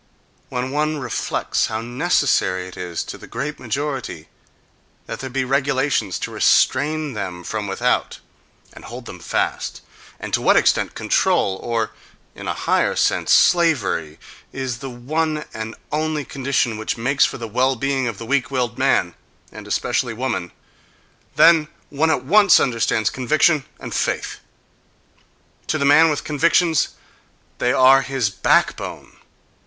When one reflects how necessary it is to the great majority that there be regulations to restrain them from without and hold them fast, and to what extent control, or, in a higher sense, slavery, is the one and only condition which makes for the well being of the weak willed man, and especially woman, then one at once understands conviction and "faith." To the man with convictions they are his backbone.